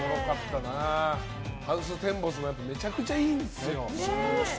ハウステンボスもめちゃくちゃいいんですよ。